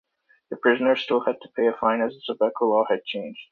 The prisoners still had to pay a fine as the tobacco law had changed.